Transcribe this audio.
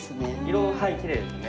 色きれいですね。